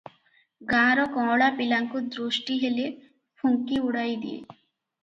ଗାଁର କଅଁଳା ପିଲାଙ୍କୁ ଦୃଷ୍ଟିହେଲେ ଫୁଙ୍କି ଉଡ଼ାଇଦିଏ ।